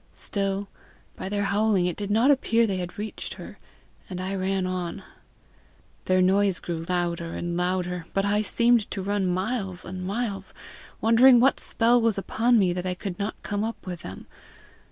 Still, by their howling, it did not appear they had reached her, and I ran on. Their noise grew louder and louder, but I seemed to run miles and miles, wondering what spell was upon me that I could not come up with them.